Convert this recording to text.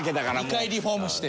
２回リフォームして。